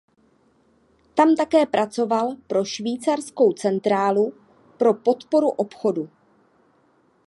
Tam také pracoval pro Švýcarskou centrálu pro podporu obchodu.